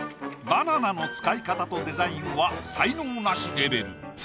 バナナの使い方とデザインは才能ナシレベル。